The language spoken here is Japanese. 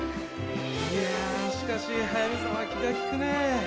「いやしかし速見さんは気が利くね」